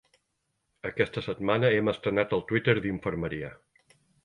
Aquesta setmana hem estrenat el Twitter d'Infermeria.